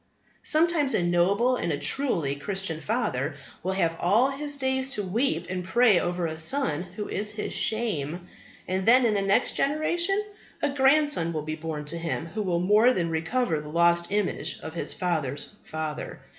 Sometimes a noble and a truly Christian father will have all his days to weep and pray over a son who is his shame; and then, in the next generation, a grandson will be born to him who will more than recover the lost image of his father's father.